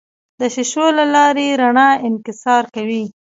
د شیشو له لارې رڼا انکسار کوي.